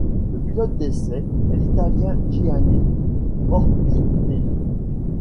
Le pilote d'essais est l'Italien Gianni Morbidelli.